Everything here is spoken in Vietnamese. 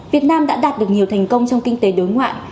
việt nam đã đạt được nhiều thành công trong kinh tế đối ngoại